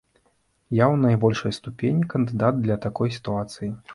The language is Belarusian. Я ў найбольшай ступені кандыдат для такой сітуацыі.